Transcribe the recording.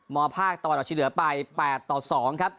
มภาคตะวันออกชิเหลือไป๘ต่อ๒ครับ